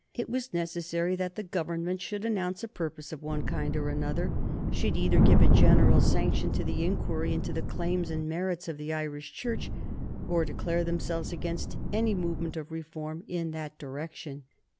It was necessary that the Government should announce a purpose of one kind or another should either give a general sanction to the inquiry into the claims and merits of the Irish Church, or declare themselves against any movement of reform in that direction.